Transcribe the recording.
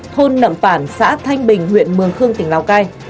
thôn nậm phản xã thanh bình huyện mường khương tỉnh lào cai